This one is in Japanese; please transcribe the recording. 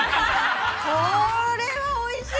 これはおいしい。